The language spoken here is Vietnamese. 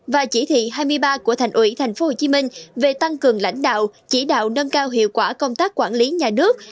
và chỉ thị hai mươi ba của thành ủy tp hcm về tăng cường lãnh đạo chỉ đạo nâng cao hiệu quả công tác quản lý nhà nước